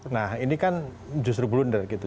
nah ini kan justru blunder gitu